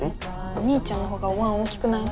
お兄ちゃんのほうがおわん大きくない？